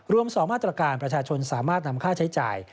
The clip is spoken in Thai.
รวม๒มาตรการประชาชนสามารถนำค่าใช้จ่าย